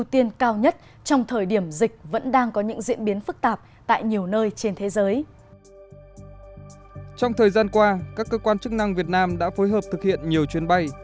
trong thời gian qua các cơ quan chức năng việt nam đã phối hợp thực hiện nhiều chuyến bay